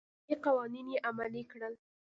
شرعي قوانین یې عملي کړل.